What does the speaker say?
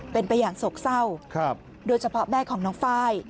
เป็นไปอย่างโศกเศร้าโดยเฉพาะแม่ของน้องไฟล์